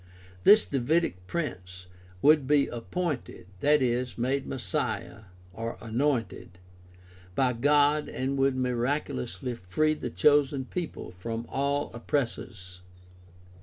This Davidic prince would be anointed — i.e., made Messiah (Anointed) — by God and would miraculously free the chosen people from all oppressors.